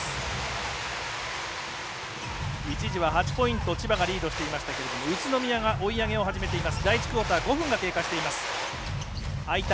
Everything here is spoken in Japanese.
一時は８ポイント千葉がリードしていましたけど宇都宮が追い上げをはじめています。